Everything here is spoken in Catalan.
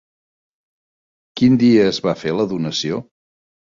Quin dia es va fer la donació?